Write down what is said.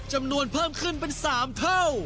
จำนวนเพิ่มขึ้นเป็น๓เท่า